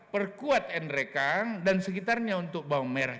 perkuat nrekang dan sekitarnya untuk bawang merah